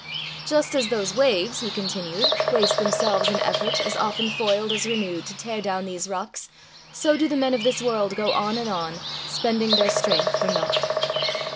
"Just as those waves," he continued, "waste themselves in effort, as often foiled as renewed, to tear down these rocks, so do the men of this world go on and on, spending their strength for nought."